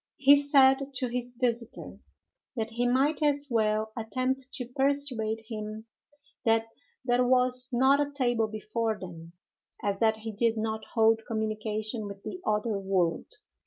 He said to his visiter, that he might as well attempt to persuade him that that was not a table before them, as that he did not hold communication with the other world.